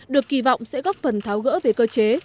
được kỳ vọng sẽ góp phần tháo gỡ về cơ chế